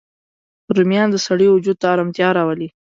رومیان د سړی وجود ته ارامتیا راولي